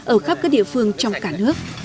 ở khắp các địa phương trong cả nước